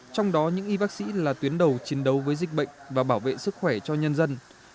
trong đó những y bác sĩ là tuyến đầu chiến đấu với dịch bệnh và bảo vệ sức khỏe cho nhân dân